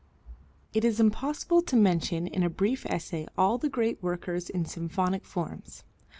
It is impossible to mention in a brief essay all the great workers in symphonic forms.